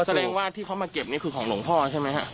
แสดงว่าที่เขามาเก็บนี่คือของหลวงพ่อใช่ไหมฮะ